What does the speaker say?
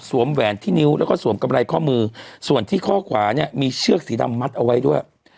แหวนที่นิ้วแล้วก็สวมกำไรข้อมือส่วนที่ข้อขวาเนี่ยมีเชือกสีดำมัดเอาไว้ด้วย